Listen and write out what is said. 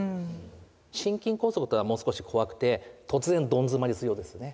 心筋梗塞というのはもう少し怖くて突然どん詰まりするようですね。